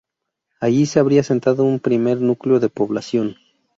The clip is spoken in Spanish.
Allí se habría asentando un primer núcleo de población.